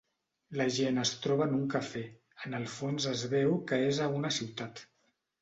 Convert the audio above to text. la gent es troba en un cafè, en el fons es veu que és a una ciutat